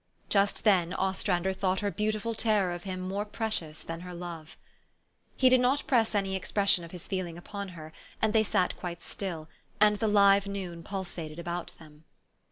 Just then Ostrander thought her beautiful terror of him more precious than her love. He did not press any expression of his feeling upon her, and they sat quite still, and the live noon pulsated about them.